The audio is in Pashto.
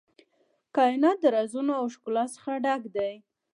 کائنات د رازونو او ښکلا څخه ډک دی.